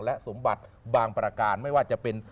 และสมบัติบางประการไม่ว่าจะเป็น